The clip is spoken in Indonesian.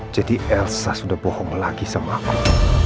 jadi elsa sudah bohong lagi sama aku